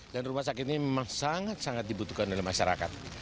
dan rumah sakit ini memang sangat sangat dibutuhkan oleh masyarakat